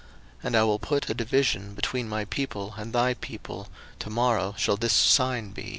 02:008:023 And I will put a division between my people and thy people: to morrow shall this sign be.